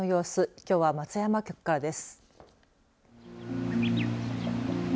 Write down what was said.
きょうは松山局からです。